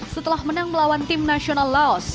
setelah menang melawan tim nasional laos